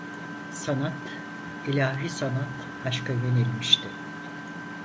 Sanat, ilahi sanat aşka yenilmişti.